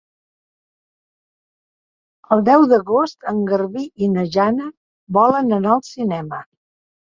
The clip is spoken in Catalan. El deu d'agost en Garbí i na Jana volen anar al cinema.